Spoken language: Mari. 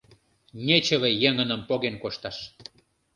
— Нечыве еҥыным поген кошташ!